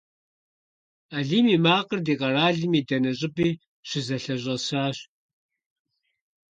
Алим и макъыр ди къэралым и дэнэ щӀыпӀи щызэлъащӀэсащ.